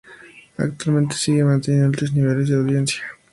Actualmente sigue manteniendo altos niveles de audiencia.